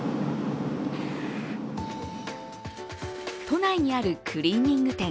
都内にあるクリーニング店。